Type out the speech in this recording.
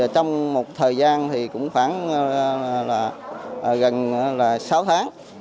trong một thời gian thì cũng khoảng gần sáu tháng